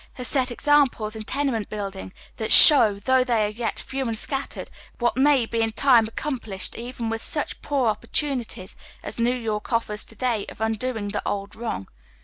has set examples in tenement building that show, though they are yet few and scattered, what may in time be accomplished even with such poor opportu nities as New York offers to day of undoing the old wrong.